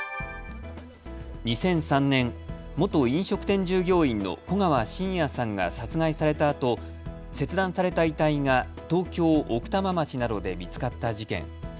２００３年、元飲食店従業員の古川信也さんが殺害されたあと切断された遺体が東京奥多摩町などで見つかった事件。